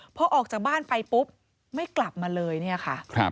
พอออกจากบ้านไปปุ๊บไม่กลับมาเลยเนี่ยค่ะ